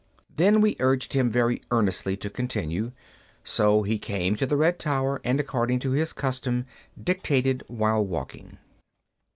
Then we urged him very earnestly to continue. So he came to the red tower, and, according to his custom, dictated while walking.